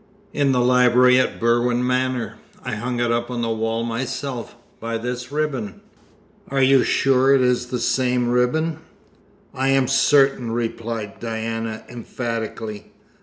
"In the library at Berwin Manor. I hung it up on the wall myself, by this ribbon." "Are you sure it is the same ribbon?" "I am certain," replied Diana emphatically.